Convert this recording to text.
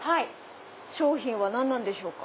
商品は何なんでしょうか？